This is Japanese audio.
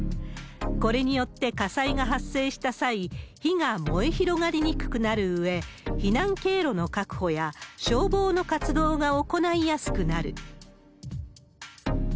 これによって火災が発生した際、火が燃え広がりにくくなるうえ、避難経路の確保や消防の活動が行いやすくなる。